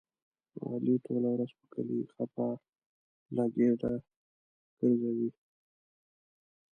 علي ټوله ورځ په کلي خپله ګېډه ګرځوي.